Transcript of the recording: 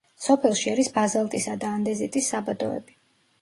სოფელში არის ბაზალტისა და ანდეზიტის საბადოები.